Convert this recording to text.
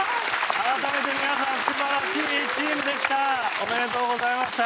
改めて皆さん素晴らしいチームでした！